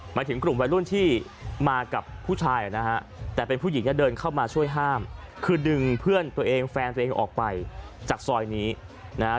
หมายถึงกลุ่มวัยรุ่นที่มากับผู้ชายนะฮะแต่เป็นผู้หญิงเนี่ยเดินเข้ามาช่วยห้ามคือดึงเพื่อนตัวเองแฟนตัวเองออกไปจากซอยนี้นะฮะ